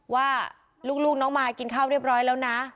ว่าลูกน้องมายกินข้าวเรียบร้อยแล้วนะ